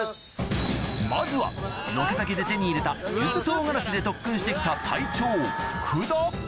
まずはロケ先で手に入れたゆず唐辛子で特訓してきた隊長福田